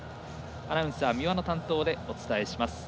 アナウンサー三輪の担当でお伝えします。